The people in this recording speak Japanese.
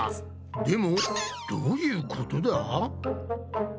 でもどういうことだ？